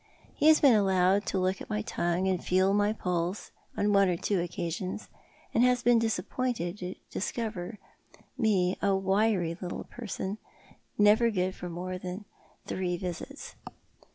He has been allowed to look at my tongue and feel my pulse on one or two occasions, and has been disappointed to discover mc a wiry little person, never good for more than three visits.